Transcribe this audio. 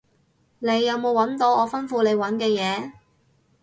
你有冇搵到我吩咐你搵嘅嘢？